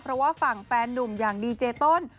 เพราะว่าฝั่งแฟนนุ่มอย่างดีเจต้น